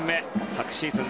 昨シーズン